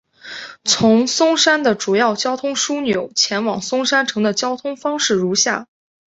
从松山的主要交通枢纽前往松山城的交通方式如下。